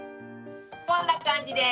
こんな感じです。